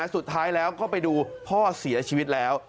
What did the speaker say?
สุดท้ายแล้วก็ไปดูพ่อเสียชีวิตแล้ว